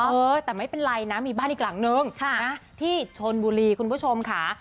เออแต่ไม่เป็นไรนะมีบ้านอีกหลังนึงที่ชนบุรีคุณผู้ชมค่ะ